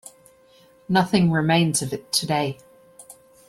Nothing remains of it today.